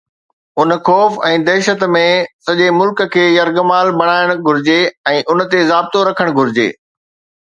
ان خوف ۽ دهشت ۾ سڄي ملڪ کي يرغمال بڻائڻ گهرجي ۽ ان تي ضابطو رکڻ گهرجي